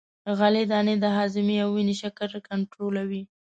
غلې دانې د هاضمې او وینې شکر کنترولوي.